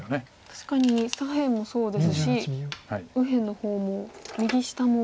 確かに左辺もそうですし右辺の方も右下も。